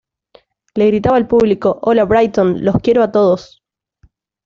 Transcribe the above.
Le gritaba al público 'Hola Brighton, los quiero a todos.